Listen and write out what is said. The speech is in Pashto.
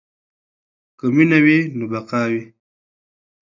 که مینه وي نو بقا وي.